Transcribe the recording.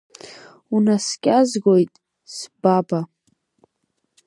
Унаскьазгоит, сбаба…